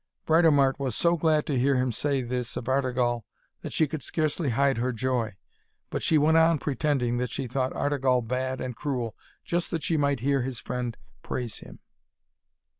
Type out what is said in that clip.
Britomart was so glad to hear him say this of Artegall, that she could scarcely hide her joy. But she went on pretending that she thought Artegall bad and cruel, just that she might hear his friend praise him.